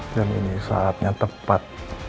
dan ini saatnya tepat